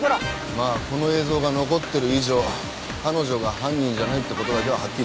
まあこの映像が残ってる以上彼女が犯人じゃないって事だけははっきりしてるからな。